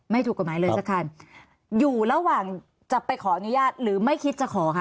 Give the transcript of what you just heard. ถูกกฎหมายเลยสักคันอยู่ระหว่างจะไปขออนุญาตหรือไม่คิดจะขอคะ